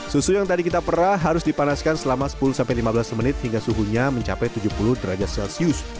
susu yang tadi kita perah harus dipanaskan selama sepuluh sampai lima belas menit hingga suhunya mencapai tujuh puluh derajat celcius